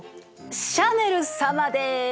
シャネル様です！